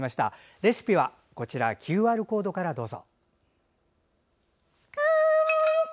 レシピはＱＲコードからどうぞ。